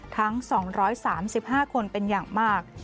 ทั้ง๒๓๕คนเป็นอย่างมาก